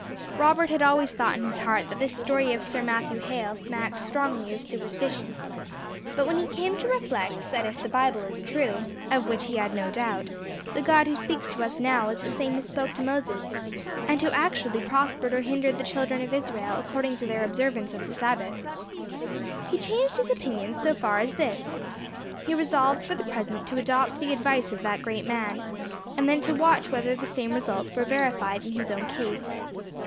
Robert had always thought in his heart that this story of Sir Matthew Hale smacked strongly of superstition; but when he came to reflect that if the Bible is true, of which he had no doubt, the God who speaks to us now is the same who spoke to Moses, and who actually prospered or hindered the children of Israel according to their observance of the Sabbath, he changed his opinion so far as this he resolved for the present to adopt the advice of that great man, and then to watch whether the same results were verified in his own case.